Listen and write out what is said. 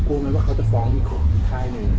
ไหมว่าเขาจะฟ้องอีกค่ายหนึ่ง